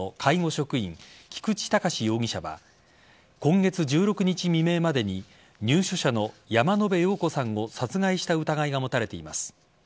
職員菊池隆容疑者は今月１６日未明までに入所者の山野辺陽子さんを殺害した疑いが持たれています。